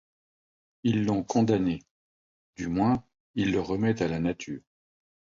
Ils l’ont condamné ; du moins, ils le remettent à la nature.